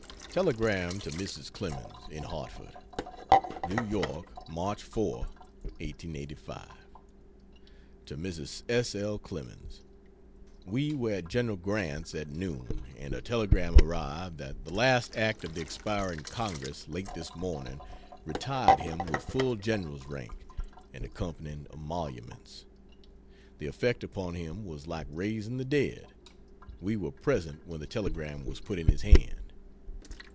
Telegram to Mrs. Clemens, in Hartford: NEW YORK, Mar. 4, 1885. To MRS. S. L. CLEMENS, We were at General Grant's at noon and a telegram arrived that the last act of the expiring congress late this morning retired him with full General's rank and accompanying emoluments. The effect upon him was like raising the dead. We were present when the telegram was put in his hand.